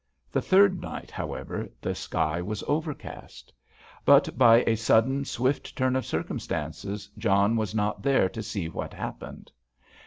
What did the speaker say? The third night, however, the sky was overcast. But by a sudden, swift turn of circumstances John was not there to see what happened.